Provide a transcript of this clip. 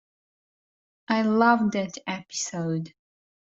I loved that episode!